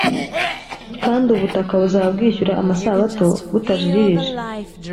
kandi ubutaka buzaba bwishyura amasabato butajiririje